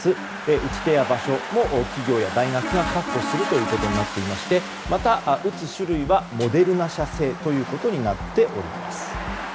打ち手や場所も企業や大学が確保するということになっておりましてまた、打つ種類はモデルナ社製となっております。